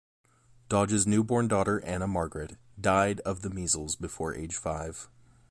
Dodge's newborn daughter Anna Margaret died of the measles before age five.